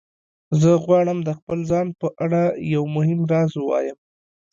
زه غواړم د خپل ځان په اړه یو مهم راز ووایم